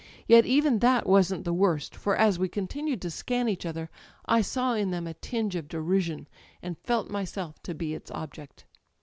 Yet even that wasn't the worst; for as we continued to scan each other I saw in them a tinge of derision, and felt myself to be its object.